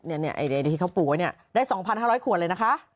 ไอ้เด็กที่เขาปลูกไว้นี่ได้๒๕๐๐ขวนเลยนะคะ